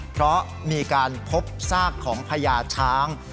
เพราะมีการพบซากของพญาช้าง